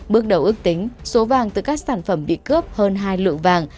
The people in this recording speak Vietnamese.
bước đầu ước tính số vàng từ các sản phẩm bị cướp hơn hai lượng vàng